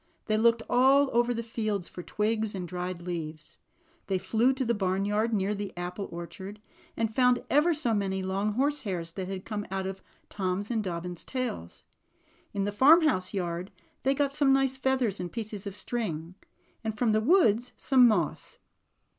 They looked all over the fields for twigs and dried leaves. They flew to the barnyard near the apple orchard, and found ever so many long horsehairs that had come out of Tom^s and Dobbin's tails. In the farmhouse yard they got some nice feathers and pieces of string, and from the woods some moss.